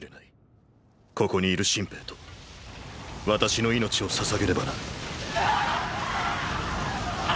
ここにいる新兵と私の命を捧げればな。